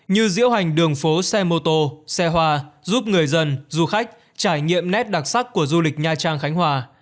như diễu hành đường phố xe mô tô xe hoa giúp người dân du khách trải nghiệm nét đặc sắc của du lịch nha trang khánh hòa